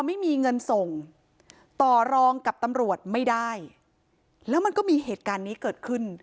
ไม่มีเงินส่งต่อรองกับตำรวจไม่ได้แล้วมันก็มีเหตุการณ์นี้เกิดขึ้น